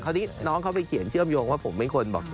คราวนี้น้องเขาไปเขียนเชื่อมโยงว่าผมไม่ควรบอก